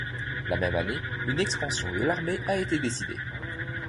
La même année, une expansion de l'armée a été décidée.